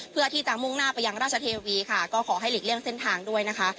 เพื่อที่จะมุ่งหน้าไปยังราชเทวีค่ะก็ขอให้หลีกเลี่ยงเส้นทางด้วยนะคะ